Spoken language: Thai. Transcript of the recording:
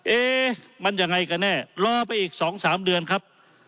เอ๊ะมันยังไงกันแน่รอไปอีก๒๓เดือนครับ